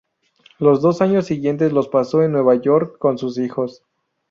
Los dos años siguientes los pasó en Nueva York con sus hijos.